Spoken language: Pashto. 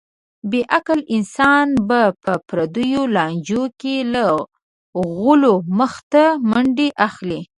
بې عقل انسان به په پردیو لانجو کې له غولو مخته منډه اخلي.